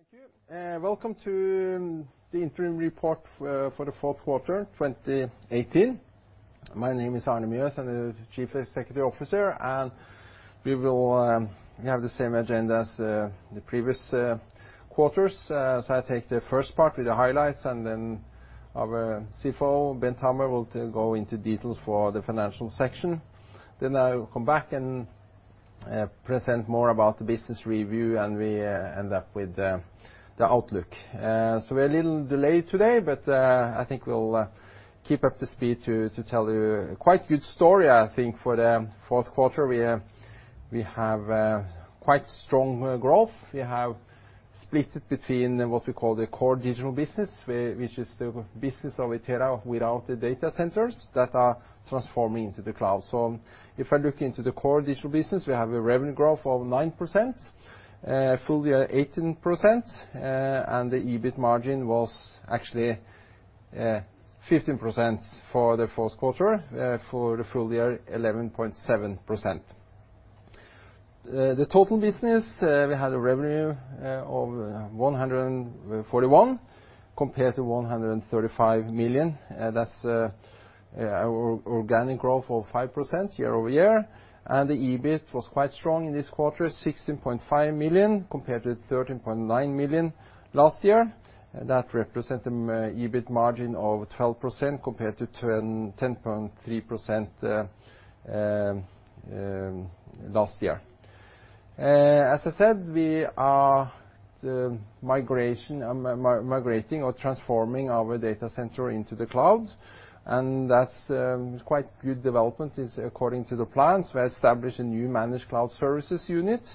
Okay, thank you. Welcome to the interim report for the fourth quarter 2018. My name is Arne Mjøs, and I'm the Chief Executive Officer, and we will have the same agenda as the previous quarters. So I'll take the first part with the highlights, and then our CFO, Bent Hammer, will go into details for the financial section. Then I'll come back and present more about the business review, and we end up with the outlook. So we're a little delayed today, but I think we'll keep up to speed to tell you a quite good story, I think, for the fourth quarter. We have quite strong growth. We have split it between what we call the core digital business, which is the business of Itera without the data centers that are transforming into the cloud. So if I look into the core digital business, we have a revenue growth of 9%, full year 18%, and the EBIT margin was actually 15% for the fourth quarter, for the full year 11.7%. The total business, we had a revenue of 141 million compared to 135 million. That's our organic growth of 5% year over year. And the EBIT was quite strong in this quarter, 16.5 million compared to 13.9 million last year. That represents an EBIT margin of 12% compared to 10.3% last year. As I said, we are migrating or transforming our data center into the cloud, and that's quite good development according to the plans. We established a new managed cloud services unit,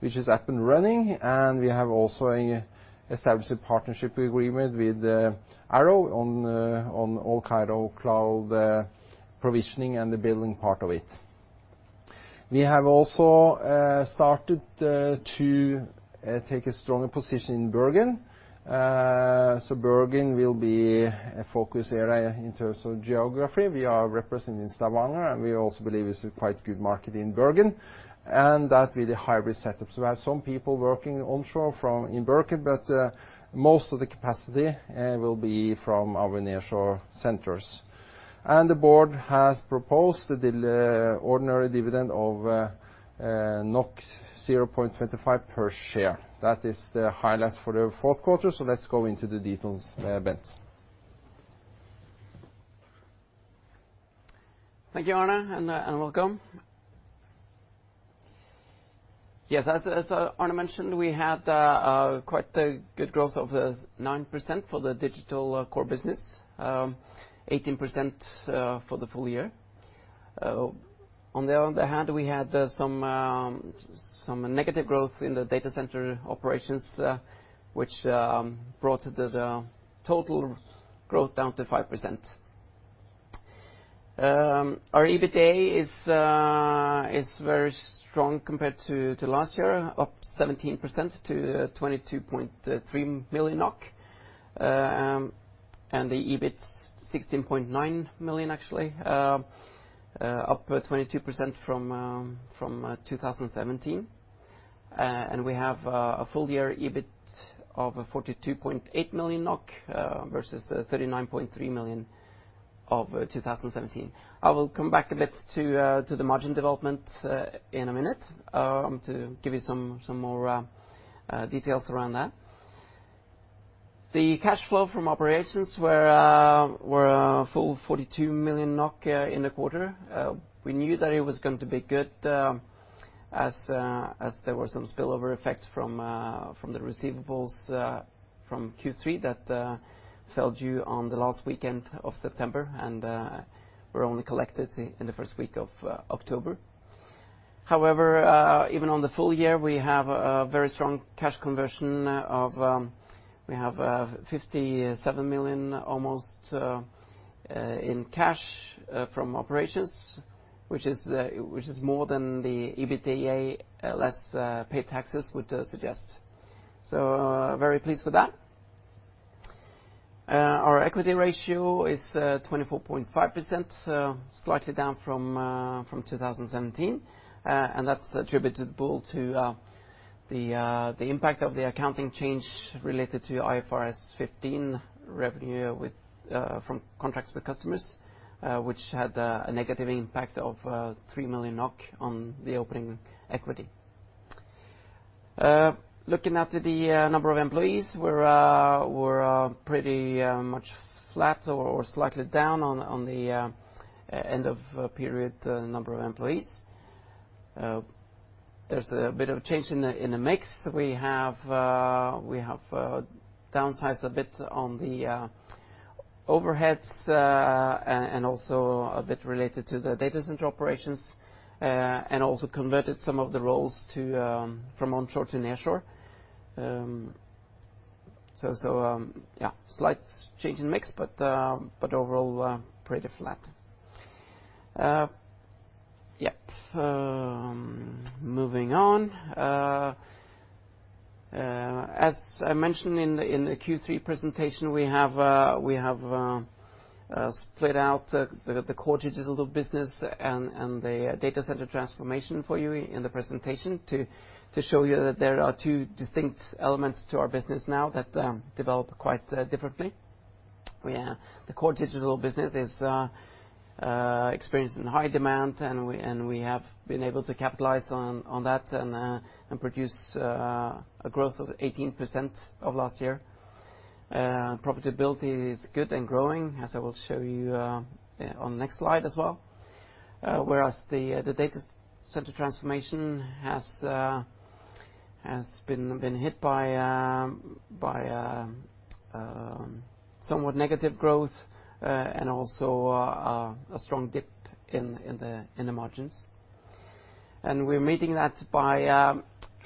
which is up and running, and we have also established a partnership agreement with Arrow on all kinds of cloud provisioning and the billing part of it. We have also started to take a stronger position in Bergen. So Bergen will be a focus area in terms of geography. We are representing Stavanger, and we also believe it's a quite good market in Bergen, and that will be the hybrid setup. So we have some people working onshore from in Bergen, but most of the capacity will be from our nearshore centers. And the board has proposed the ordinary dividend of 0.25 per share. That is the highlights for the fourth quarter, so let's go into the details, Bent. Thank you, Arne, and welcome. Yes, as Arne mentioned, we had quite good growth of 9% for the digital core business, 18% for the full year. On the other hand, we had some negative growth in the data center operations, which brought the total growth down to 5%. Our EBITDA is very strong compared to last year, up 17% to 22.3 million NOK, and the EBIT is 16.9 million, actually, up 22% from 2017. And we have a full year EBIT of 42.8 million NOK versus 39.3 million of 2017. I will come back a bit to the margin development in a minute to give you some more details around that. The cash flow from operations were a full 42 million in the quarter. We knew that it was going to be good as there were some spillover effects from the receivables from Q3 that fell due on the last weekend of September, and were only collected in the first week of October. However, even on the full year, we have a very strong cash conversion of 57 million almost in cash from operations, which is more than the EBITDA less paid taxes would suggest. So very pleased with that. Our equity ratio is 24.5%, slightly down from 2017, and that's attributable to the impact of the accounting change related to IFRS 15 revenue from contracts with customers, which had a negative impact of 3 million NOK on the opening equity. Looking at the number of employees, we're pretty much flat or slightly down on the end-of-period number of employees. There's a bit of a change in the mix. We have downsized a bit on the overheads and also a bit related to the data center operations, and also converted some of the roles from onshore to nearshore. So yeah, slight change in mix, but overall pretty flat. Yep. Moving on. As I mentioned in the Q3 presentation, we have split out the core digital business and the data center transformation for you in the presentation to show you that there are two distinct elements to our business now that develop quite differently. The core digital business is experiencing high demand, and we have been able to capitalize on that and produce a growth of 18% of last year. Profitability is good and growing, as I will show you on the next slide as well. Whereas the data center transformation has been hit by somewhat negative growth and also a strong dip in the margins. We're meeting that by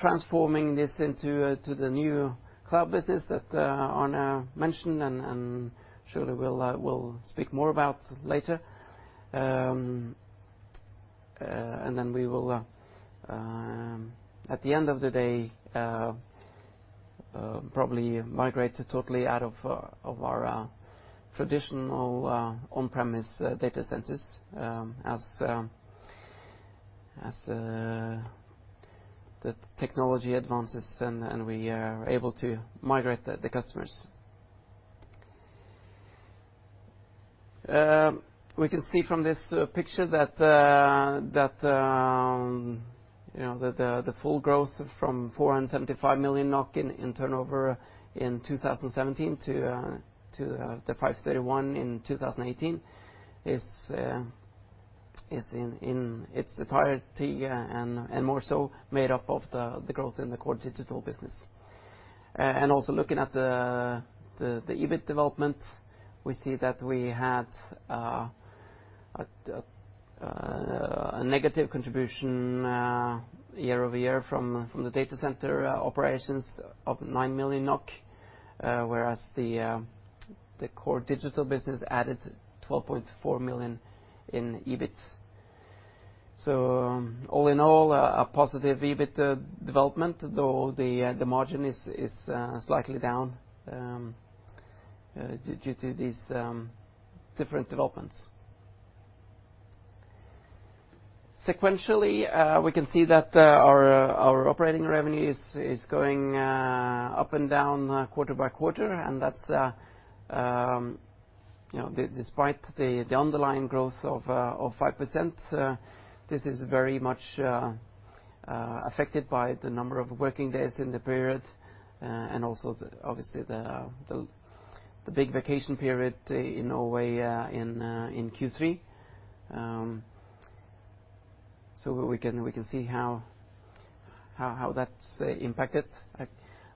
transforming this into the new cloud business that Arne mentioned and surely we'll speak more about later. We will, at the end of the day, probably migrate totally out of our traditional on-premise data centers as the technology advances and we are able to migrate the customers. We can see from this picture that the full growth from 475 million NOK in turnover in 2017 to 531 million in 2018 is entirely and more so made up of the growth in the core digital business. Also looking at the EBIT development, we see that we had a negative contribution year over year from the data center operations of 9 million NOK, whereas the core digital business added 12.4 million in EBIT. All in all, a positive EBIT development, though the margin is slightly down due to these different developments. Sequentially, we can see that our operating revenue is going up and down quarter by quarter, and that's despite the underlying growth of 5%. This is very much affected by the number of working days in the period and also, obviously, the big vacation period in Norway in Q3. So we can see how that's impacted.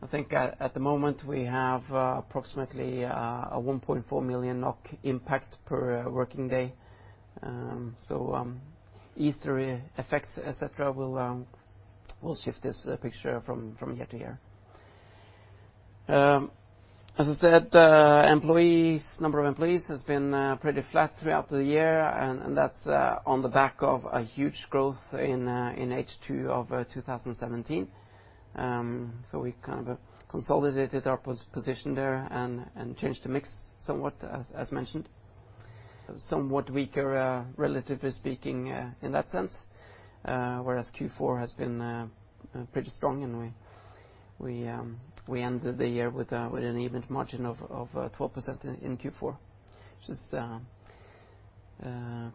I think at the moment we have approximately a 1.4 million NOK impact per working day. So Easter effects, etc., will shift this picture from year to year. As I said, the number of employees has been pretty flat throughout the year, and that's on the back of a huge growth in H2 of 2017. So we kind of consolidated our position there and changed the mix somewhat, as mentioned. Somewhat weaker, relatively speaking, in that sense, whereas Q4 has been pretty strong, and we ended the year with an EBIT margin of 12% in Q4, which is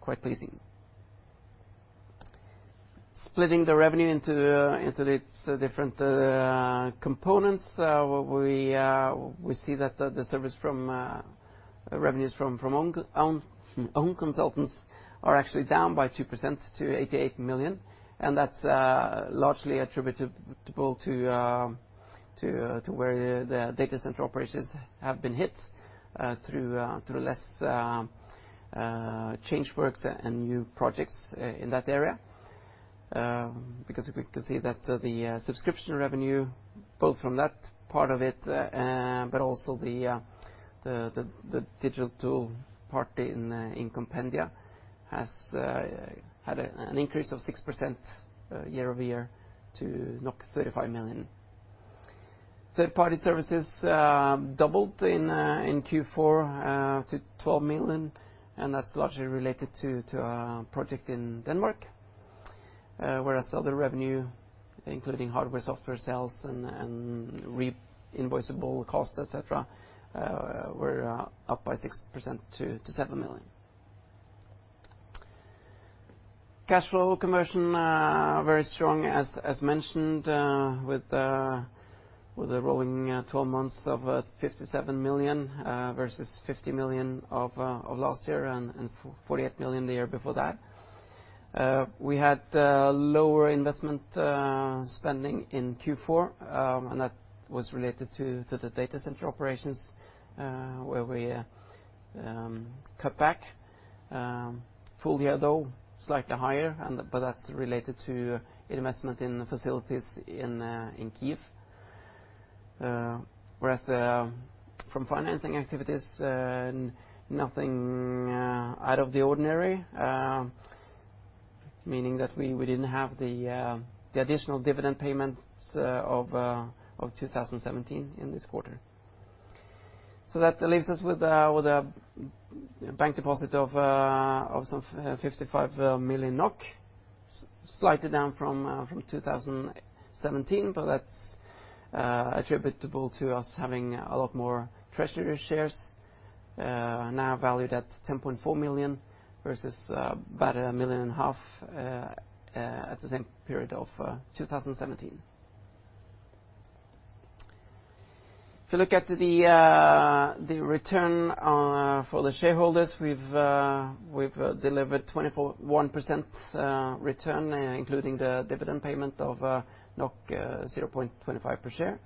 quite pleasing. Splitting the revenue into its different components, we see that the revenues from own consultants are actually down by 2% to 88 million, and that's largely attributable to where the data center operations have been hit through less change works and new projects in that area. Because we can see that the subscription revenue, both from that part of it, but also the digital tool part in Compendia, has had an increase of 6% year over year to 35 million. Third-party services doubled in Q4 to 12 million, and that's largely related to a project in Denmark, whereas other revenue, including hardware, software sales, and re-invoicable costs, etc., were up by 6% to 7 million. Cash flow conversion, very strong, as mentioned, with the rolling 12 months of 57 million versus 50 million of last year and 48 million the year before that. We had lower investment spending in Q4, and that was related to the data center operations where we cut back. Full year, though, slightly higher, but that's related to investment in facilities in Kyiv. Whereas from financing activities, nothing out of the ordinary, meaning that we didn't have the additional dividend payments of 2017 in this quarter. So that leaves us with a bank deposit of some 55 million NOK, slightly down from 2017, but that's attributable to us having a lot more treasury shares, now valued at 10.4 million versus about 1.5 million at the same period of 2017. If you look at the return for the shareholders, we've delivered 21% return, including the dividend payment of 0.25 per share.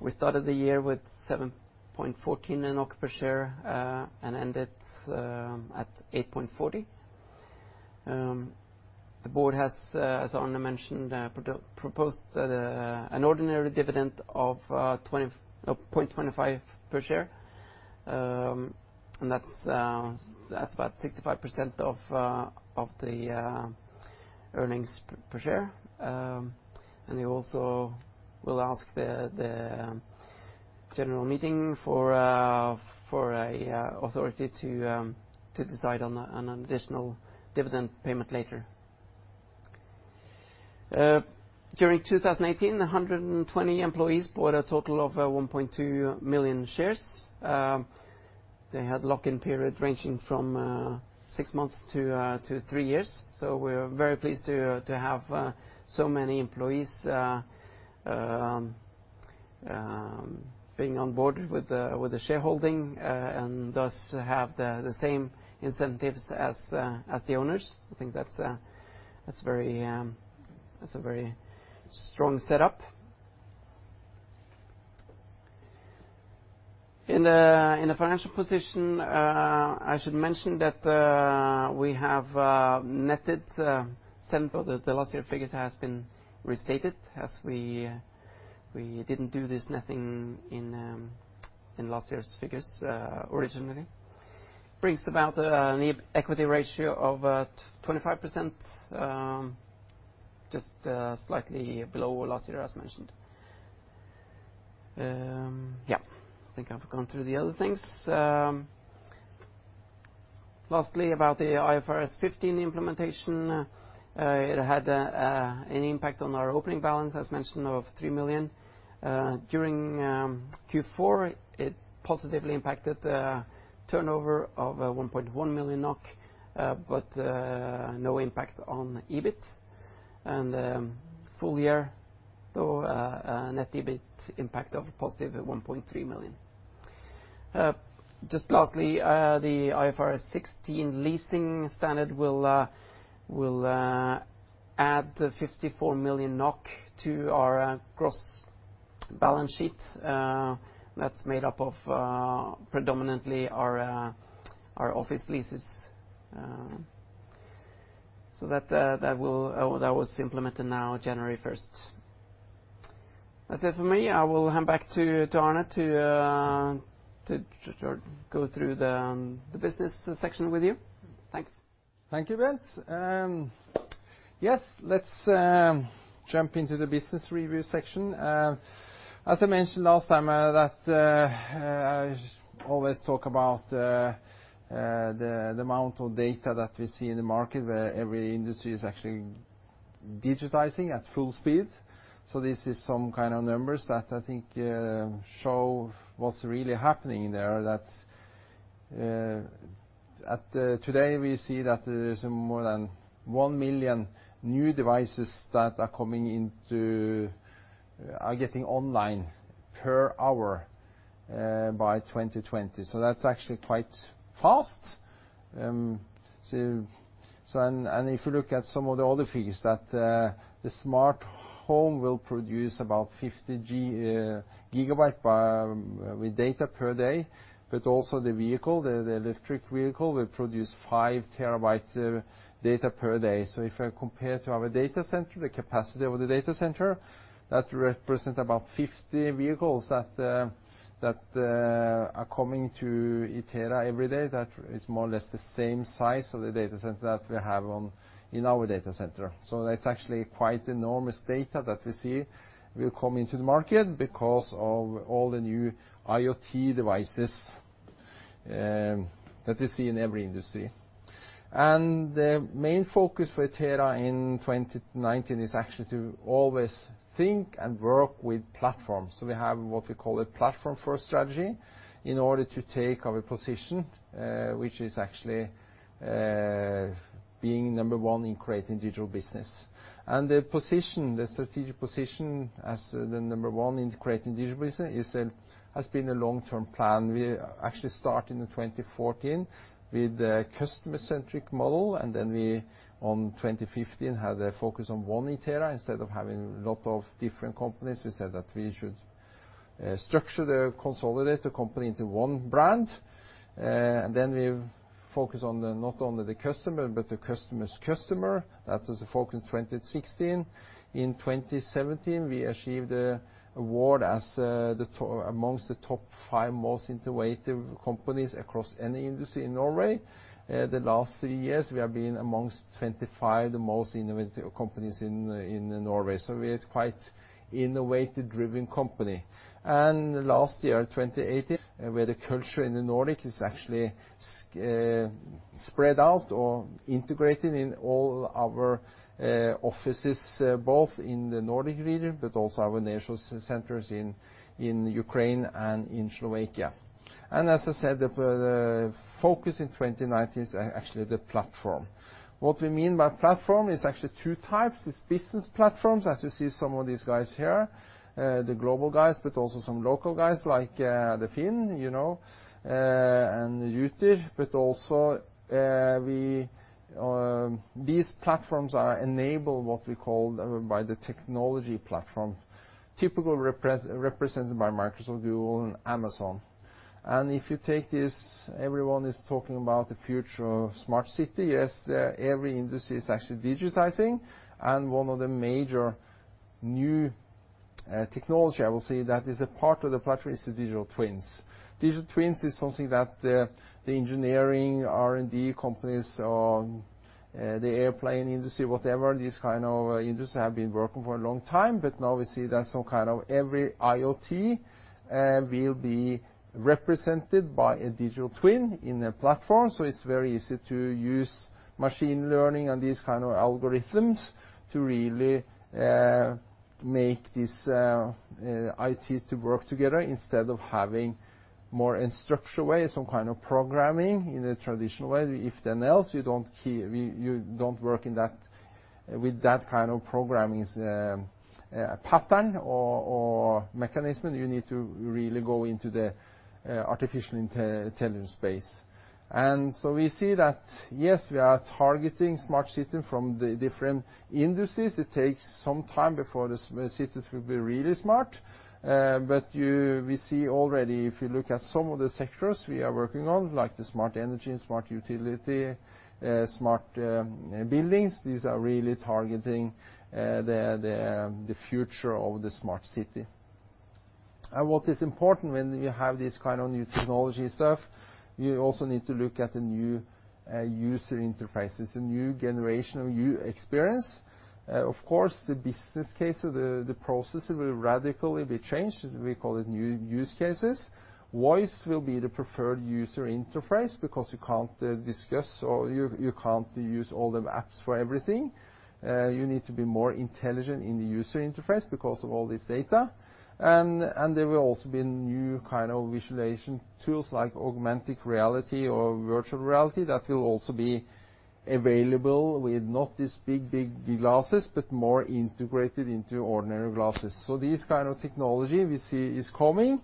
We started the year with 7.14 NOK per share and ended at 8.40. The board has, as Arne mentioned, proposed an ordinary dividend of 0.25 per share, and that's about 65% of the earnings per share, and we also will ask the general meeting for an authority to decide on an additional dividend payment later. During 2018, 120 employees bought a total of 1.2 million shares. They had a lock-in period ranging from six months to three years, so we're very pleased to have so many employees being on board with the shareholding and thus have the same incentives as the owners. I think that's a very strong setup. In the financial position, I should mention that we have netted 7. The last year's figures have been restated as we didn't do this netting in last year's figures originally. Brings about an equity ratio of 25%, just slightly below last year, as mentioned. Yeah, I think I've gone through the other things. Lastly, about the IFRS 15 implementation, it had an impact on our opening balance, as mentioned, of 3 million. During Q4, it positively impacted the turnover of 1.1 million NOK, but no impact on EBIT. And full year, though, net EBIT impact of positive 1.3 million. Just lastly, the IFRS 16 leasing standard will add 54 million NOK to our gross balance sheet. That's made up of predominantly our office leases. So that was implemented now January 1st. That's it for me. I will hand back to Arne to go through the business section with you. Thanks. Thank you, Bent. Yes, let's jump into the business review section. As I mentioned last time, I always talk about the amount of data that we see in the market where every industry is actually digitizing at full speed, so this is some kind of numbers that I think show what's really happening there. Today, we see that there's more than 1 million new devices that are getting online per hour by 2020, so that's actually quite fast, and if you look at some of the other figures, the smart home will produce about 50 GB with data per day, but also the vehicle, the electric vehicle, will produce 5 TB of data per day, so if I compare to our data center, the capacity of the data center, that represents about 50 vehicles that are coming to Itera every day. That is more or less the same size of the data center that we have in our data center, so that's actually quite enormous data that we see will come into the market because of all the new IoT devices that we see in every industry, and the main focus for Itera in 2019 is actually to always think and work with platforms, so we have what we call a platform-first strategy in order to take our position, which is actually being number one in creating digital business, and the strategic position as the number one in creating digital business has been a long-term plan. We actually started in 2014 with a customer-centric model, and then we, in 2015, had a focus on one Itera instead of having a lot of different companies. We said that we should structure the consolidated company into one brand. We focus not only on the customer, but the customer's customer. That was the focus in 2016. In 2017, we achieved an award among the top five most innovative companies across any industry in Norway. The last three years, we have been among 25 of the most innovative companies in Norway. We are quite an innovative-driven company. In 2018, the culture in the Nordics is actually spread out or integrated in all our offices, both in the Nordic region, but also our national centers in Ukraine and in Slovakia. As I said, the focus in 2019 is actually the platform. What we mean by platform is actually two types. It's business platforms, as you see some of these guys here, the global guys, but also some local guys like the Finn and Itera. But also these platforms are enabled by the technology platform, typically represented by Microsoft Azure and Amazon. And if you take this, everyone is talking about the future of smart city. Yes, every industry is actually digitizing. And one of the major new technologies I will see that is a part of the platform is the Digital Twins. Digital Twins is something that the engineering, R&D companies, the airplane industry, whatever, these kinds of industries have been working for a long time. But now we see that some kind of every IoT will be represented by a digital twin in a platform. So it's very easy to use machine learning and these kinds of algorithms to really make these IoTs work together instead of having more structured ways, some kind of programming in the traditional way. If then else, you don't work with that kind of programming pattern or mechanism. You need to really go into the artificial intelligence space. And so we see that, yes, we are targeting smart cities from the different industries. It takes some time before the cities will be really smart. But we see already, if you look at some of the sectors we are working on, like the smart energy and smart utility, smart buildings, these are really targeting the future of the smart city. And what is important when you have these kinds of new technology stuff, you also need to look at the new user interfaces, a new generation of new experience. Of course, the business case, the process will radically be changed. We call it new use cases. Voice will be the preferred user interface because you can't discuss or you can't use all the apps for everything. You need to be more intelligent in the user interface because of all this data. And there will also be new kinds of visualization tools like augmented reality or virtual reality that will also be available with not these big, big glasses, but more integrated into ordinary glasses. So these kinds of technology we see is coming.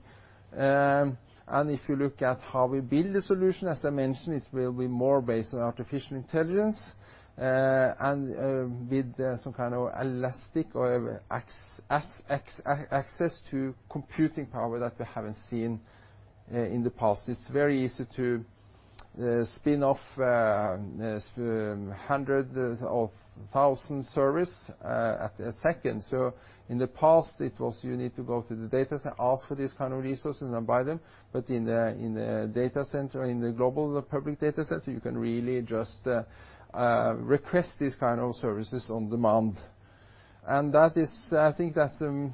And if you look at how we build the solution, as I mentioned, it will be more based on artificial intelligence and with some kind of elastic access to computing power that we haven't seen in the past. It's very easy to spin off hundreds of thousands of service at a second. So in the past, it was you need to go to the data center, ask for these kinds of resources, and then buy them. But in the data center, in the global public data center, you can really just request these kinds of services on demand. And I think that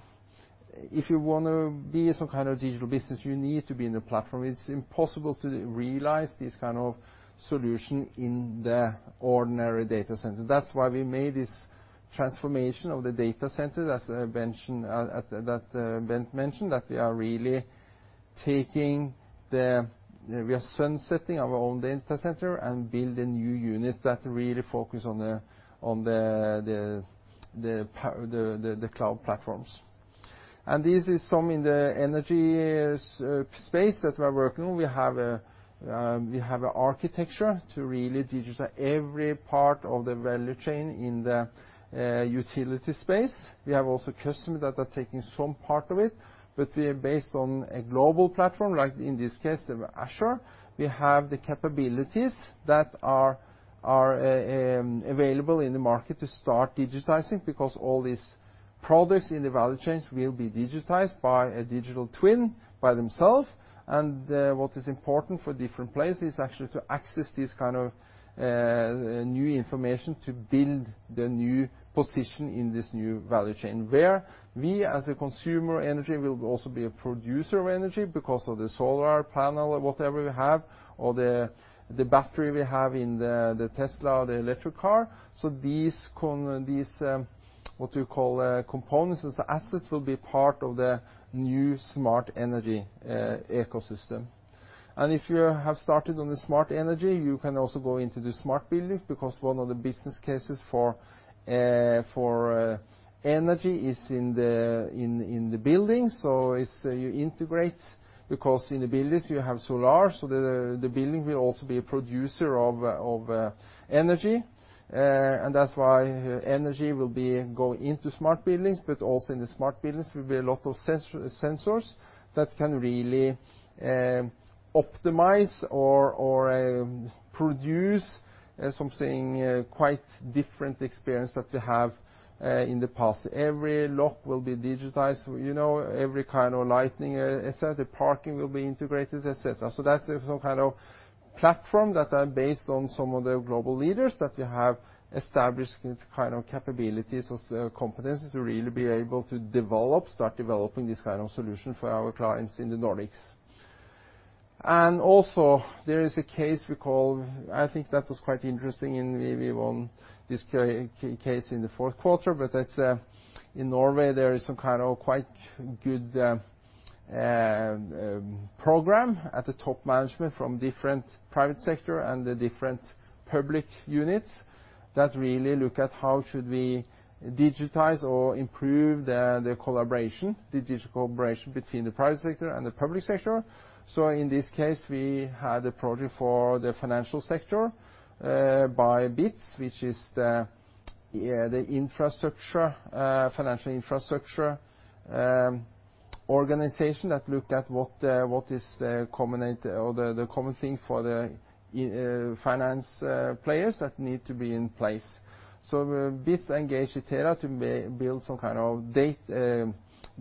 if you want to be some kind of digital business, you need to be in the platform. It's impossible to realize these kinds of solutions in the ordinary data center. That's why we made this transformation of the data center, as Bent mentioned, that we are really sunsetting our own data center and building new units that really focus on the cloud platforms. And this is some in the energy space that we're working on. We have an architecture to really digitize every part of the value chain in the utility space. We have also customers that are taking some part of it. But we are based on a global platform, like in this case, Azure. We have the capabilities that are available in the market to start digitizing because all these products in the value chains will be digitized by a digital twin by themselves. And what is important for different places is actually to access these kinds of new information to build the new position in this new value chain, where we, as a consumer of energy, will also be a producer of energy because of the solar panel, whatever we have, or the battery we have in the Tesla or the electric car. So these, what we call components as assets, will be part of the new Smart Energy ecosystem. And if you have started on the Smart Energy, you can also go into the Smart Buildings because one of the business cases for energy is in the buildings. So you integrate because in the buildings, you have solar. The building will also be a producer of energy. That's why energy will be going into smart buildings. Also in the smart buildings, there will be a lot of sensors that can really optimize or produce something quite different experience that we have in the past. Every lock will be digitized. Every kind of lighting, etc., the parking will be integrated, etc. That's some kind of platform that are based on some of the global leaders that we have established kinds of capabilities or competencies to really be able to develop, start developing these kinds of solutions for our clients in the Nordics. Also, there is a case we call I think that was quite interesting in we won this case in the fourth quarter. But in Norway, there is some kind of quite good program at the top management from different private sector and the different public units that really look at how should we digitize or improve the collaboration, the digital collaboration between the private sector and the public sector. So in this case, we had a project for the financial sector by BITS, which is the financial infrastructure organization that looked at what is the common thing for the finance players that need to be in place. So BITS engaged Itera to build some kind of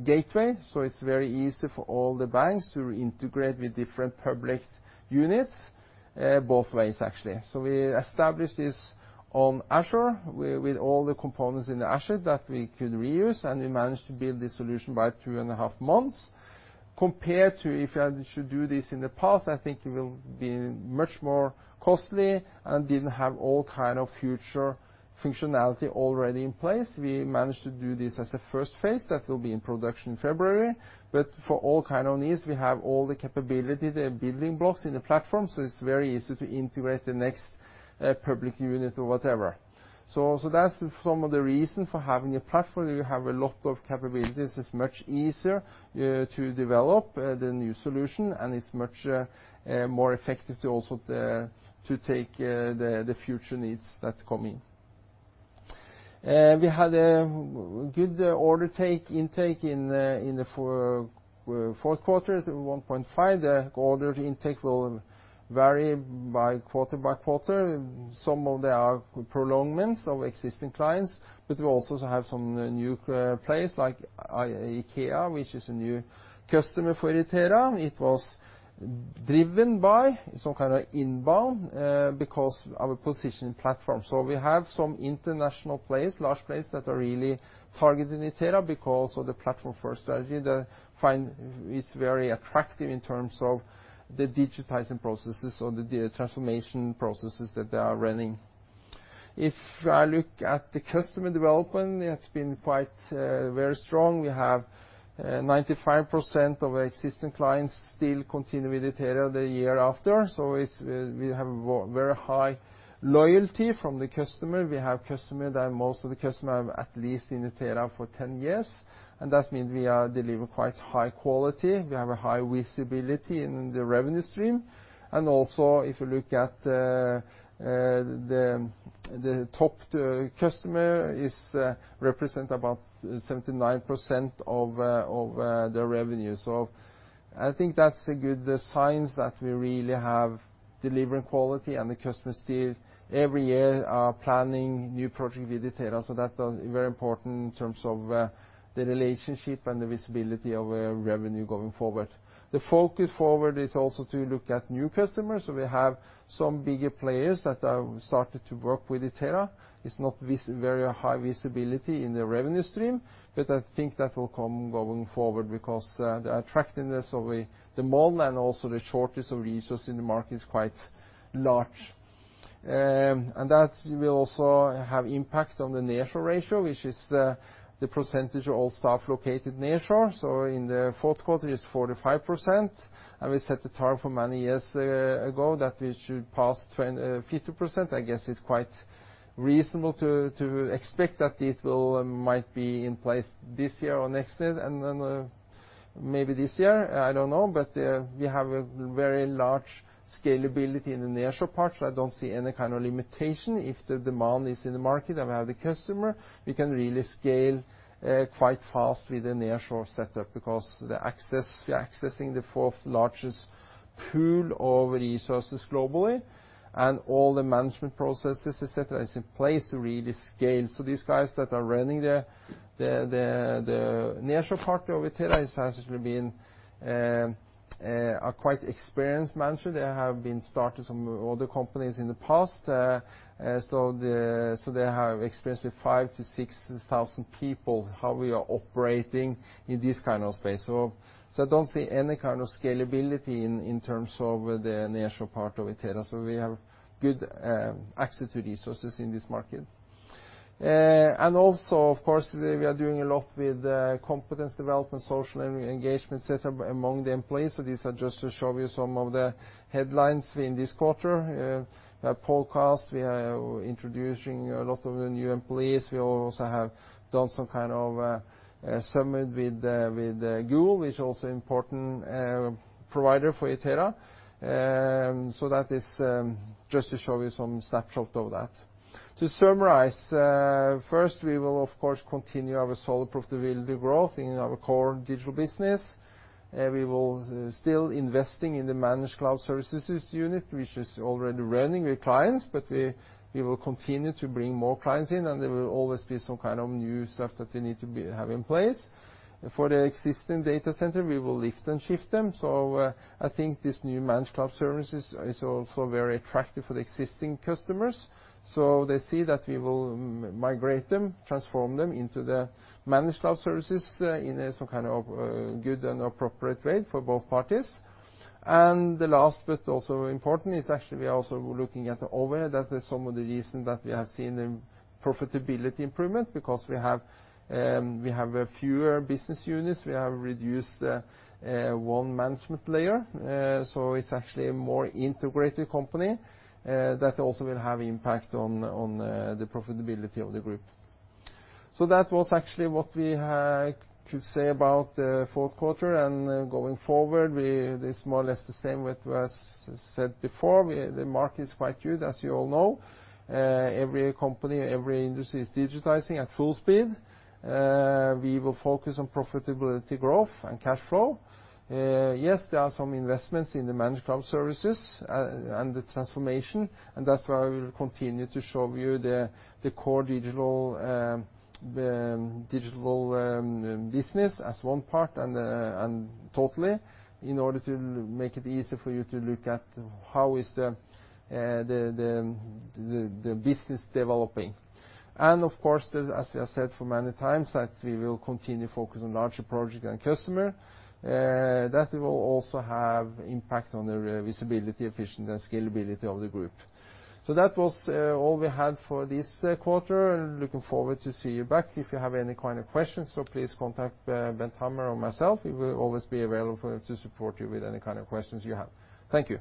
gateway. So it's very easy for all the banks to integrate with different public units both ways, actually. So we established this on Azure with all the components in the Azure that we could reuse. And we managed to build this solution by two and a half months. Compared to if you had to do this in the past, I think it will be much more costly and didn't have all kinds of future functionality already in place. We managed to do this as a first phase that will be in production in February, but for all kinds of needs, we have all the capability, the building blocks in the platform, so it's very easy to integrate the next public unit or whatever, so that's some of the reasons for having a platform. You have a lot of capabilities. It's much easier to develop the new solution, and it's much more effective to also take the future needs that come in. We had a good order intake in the fourth quarter, 1.5. The order intake will vary by quarter by quarter. Some of them are prolongations of existing clients. But we also have some new players like IKEA, which is a new customer for Itera. It was driven by some kind of inbound because of a positioning platform. So we have some international players, large players that are really targeting Itera because of the platform-first strategy. It's very attractive in terms of the digitizing processes or the transformation processes that they are running. If I look at the customer development, it's been very strong. We have 95% of existing clients still continue with Itera the year after. So we have very high loyalty from the customer. We have customers that most of the customers have at least in Itera for 10 years. And that means we deliver quite high quality. We have a high visibility in the revenue stream. And also, if you look at the top customer, it represents about 79% of their revenue. I think that's a good sign that we really have delivering quality and the customers still every year are planning new projects with Itera. That's very important in terms of the relationship and the visibility of revenue going forward. The focus forward is also to look at new customers. We have some bigger players that have started to work with Itera. It's not very high visibility in the revenue stream. I think that will come going forward because the attractiveness of the model and also the shortage of resources in the market is quite large. That will also have an impact on the nearshore ratio, which is the percentage of all staff located nearshore. In the fourth quarter, it's 45%. We set the target many years ago that we should pass 50%. I guess it's quite reasonable to expect that it might be in place this year or next year, and then maybe this year. I don't know. But we have a very large scalability in the Azure part. So I don't see any kind of limitation. If the demand is in the market and we have the customer, we can really scale quite fast with the Azure setup because we are accessing the fourth largest pool of resources globally. And all the management processes, etc., are in place to really scale. So these guys that are running the Azure part of Itera are quite experienced managers. They have started some other companies in the past. So they have experience with 5,000-6,000 people how we are operating in this kind of space. So I don't see any kind of scalability in terms of the Azure part of Itera. So we have good access to resources in this market. And also, of course, we are doing a lot with competence development, social engagement, etc., among the employees. So these are just to show you some of the headlines in this quarter. We have a podcast. We are introducing a lot of new employees. We also have done some kind of summit with Google, which is also an important provider for Itera. So that is just to show you some snapshot of that. To summarize, first, we will, of course, continue our solid proof to build the growth in our core digital business. We will still be investing in the managed cloud services unit, which is already running with clients. But we will continue to bring more clients in. And there will always be some kind of new stuff that we need to have in place. For the existing data center, we will lift and shift them, so I think this new managed cloud services is also very attractive for the existing customers, so they see that we will migrate them, transform them into the managed cloud services in some kind of good and appropriate way for both parties, and the last, but also important, is actually we are also looking at the overhead. That is some of the reasons that we have seen the profitability improvement because we have fewer business units. We have reduced one management layer, so it's actually a more integrated company that also will have an impact on the profitability of the group, so that was actually what we could say about the fourth quarter, and going forward, it's more or less the same what was said before. The market is quite huge, as you all know. Every company, every industry is digitizing at full speed. We will focus on profitability growth and cash flow. Yes, there are some investments in the managed cloud services and the transformation. And that's why we will continue to show you the core digital business as one part and totally in order to make it easier for you to look at how is the business developing. And of course, as we have said for many times, that we will continue to focus on larger projects and customers. That will also have an impact on the visibility, efficiency, and scalability of the group. So that was all we had for this quarter. Looking forward to see you back. If you have any kind of questions, please contact Bent Hammer or myself. We will always be available to support you with any kind of questions you have. Thank you.